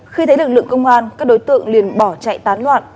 khi thấy lực lượng công an các đối tượng liền bỏ chạy tán loạn